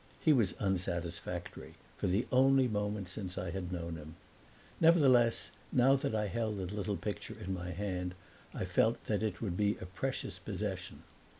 He was unsatisfactory, for the only moment since I had known him. Nevertheless, now that I held the little picture in my hand I felt that it would be a precious possession.